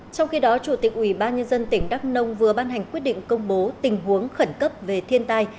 trong khi đó chủ tịch ubnd tỉnh đắk nông vừa ban hành quyết định công bố tình huống khẩn cấp về thiên tai